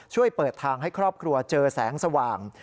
เปิดทางให้ครอบครัวเจอแสงสว่าง